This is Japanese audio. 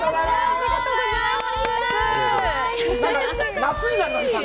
ありがとうございます。